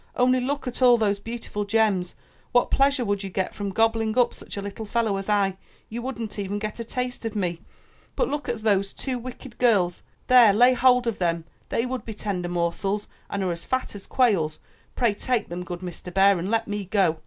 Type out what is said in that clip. Only look at all those beautiful gems. What pleasure would you get from gobbling up such a little fallow as I? You wouldn't even get a taste of me! But look at those 44 UP ONE PAIR OF STAIRS two wicked girls. There, lay hold of them ! They would be tender morsels and are as fat as quails — pray take them, good Mr. Bear, and let me go!''